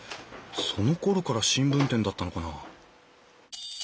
そのころから新聞店だったのかな？